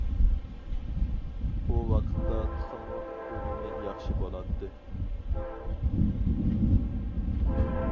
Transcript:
ئۇ ۋاقىتتا تېخىمۇ ئۈنۈمى ياخشى بولاتتى.